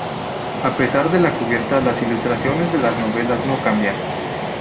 A pesar de la cubierta las ilustraciones de las novelas no cambian.